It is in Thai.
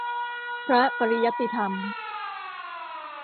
พระปริยัติธรรม